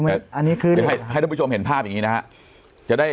ให้ท่านผู้ชมเห็นภาพอย่างนี้นะครับ